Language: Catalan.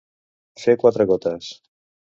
Fer quatre gotes.